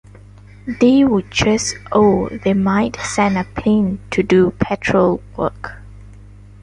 They would just-oh, they might send a plane to do patrol work.